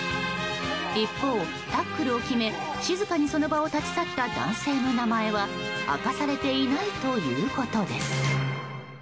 一方、タックルを決め静かにその場を立ち去った男性の名前は明かされていないということです。